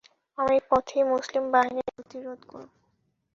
আমি পথেই মুসলিম বাহিনীর গতিরোধ করব।